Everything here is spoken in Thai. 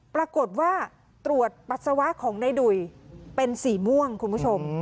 ปรากฏว่าตรวจปัสสาวะของในดุ่ยเป็นสีม่วงคุณผู้ชม